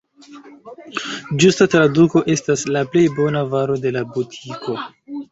Ĝusta traduko estas «la plej bona varo de la butiko».